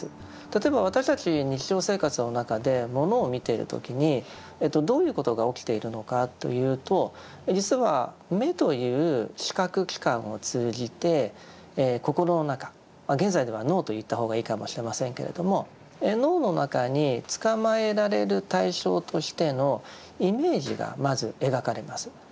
例えば私たち日常生活の中でものを見てる時にどういうことが起きているのかというと実は目という視覚器官を通じて心の中現在では脳と言った方がいいかもしれませんけれども脳の中につかまえられる対象としてのイメージがまず描かれます。